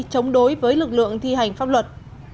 chống đối với lực lượng thi hành pháp luật